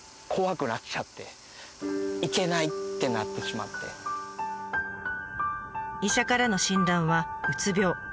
それでもう医者からの診断は「うつ病」。